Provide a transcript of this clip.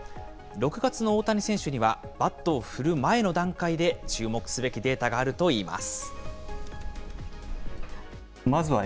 ６月の大谷選手には、バットを振る前の段階で注目すべきデータがあるといいます。